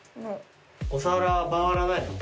お皿回らないの？